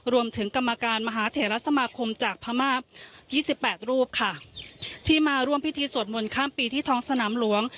รวมถึงกรรมการมหาเถระสมาคมจากพม่ายี่สิบแปดรูปค่ะที่มาร่วมพิธีสวดมนต์ข้ามปีที่ท้องสนามหลวง